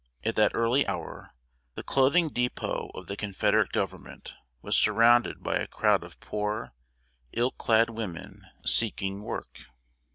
At that early hour, the clothing dépôt of the Confederate government was surrounded by a crowd of poor, ill clad women, seeking work.